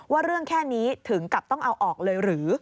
ว่าเรื่องแค่นี้ถึงกับต้องเอาออกเลยหรือ